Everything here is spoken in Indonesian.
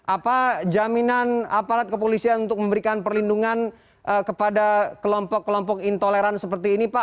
apa jaminan aparat kepolisian untuk memberikan perlindungan kepada kelompok kelompok intoleran seperti ini pak